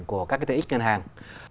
của các cái tế ích ngân hàng